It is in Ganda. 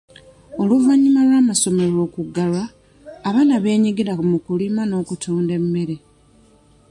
Oluvannyuma lw'amasomero okuggalwa, abaana benyigira mu kulima n'okutunda emmere.